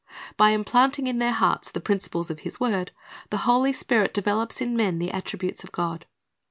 By implanting in their hearts the principles of His word, the Holy Spirit develops in men the attributes of God.